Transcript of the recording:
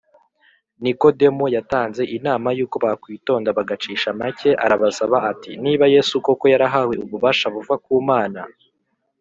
, Nikodemo yatanze inama yuko bakwitonda bagacisha make. Arabasaba ati niba Yesu koko yarahawe ububasha buva ku Mana